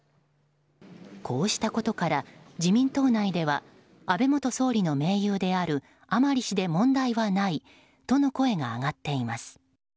こうしたことから、自民党内では安倍元総理の盟友である甘利氏で問題はないとの声が上がっています。